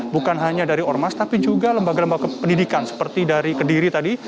bukan hanya dari ormas tapi juga lembaga lembaga pendidikan seperti dari kediri tadi